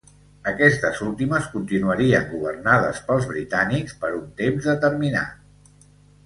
Aquestes últimes continuarien governades pels britànics per un temps determinat.